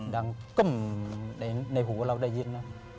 ก้มในหูเราได้ยินนะ